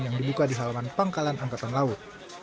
yang dibuka di halaman pangkalan angkatan laut